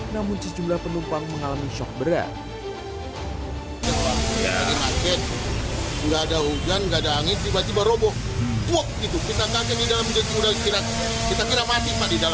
namun sejumlah penumpang mengalami shock berat